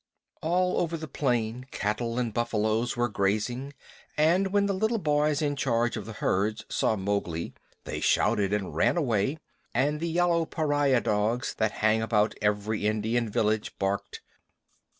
All over the plain, cattle and buffaloes were grazing, and when the little boys in charge of the herds saw Mowgli they shouted and ran away, and the yellow pariah dogs that hang about every Indian village barked.